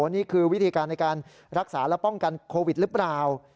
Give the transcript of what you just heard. นี่คือวิธีการในการรักษาและป้องกันโควิดหรือเปล่า